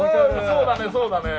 そうだねそうだね。